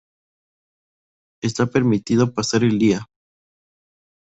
Está permitido pasar el día.